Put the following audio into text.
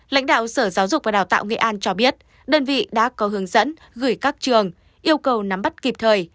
lãnh đạo sở giáo dục và đào tạo nghệ an cho biết đơn vị đã có hướng dẫn gửi các trường yêu cầu nắm bắt kịp thời